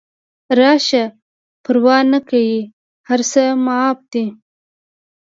راشه پروا نکړي هر څه معاف دي